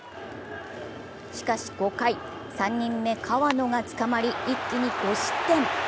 しかし５回、３人目・河野がつかまり、一気に５失点。